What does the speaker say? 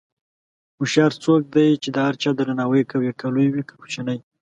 هوښیار څوک دی چې د هر چا درناوی کوي، که لوی وي که کوچنی.